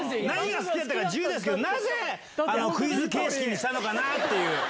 何が好きだったか自由ですけど、なぜ、クイズ形式にしたのかなっていう。